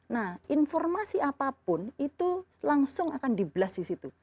nah informasi apapun itu langsung akan di blast di situ